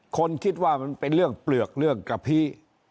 คนคิดว่ามันเป็นเรื่องเปลือกเรื่องกระพี